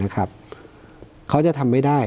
เขาจะทำไม่ได้